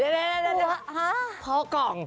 เดี๋ยวพอกล่อง